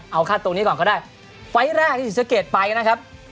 เอาค่าตัวนี้ก่อนก็ได้ไฟล์แรกที่ศรีสะเกดไปนะครับ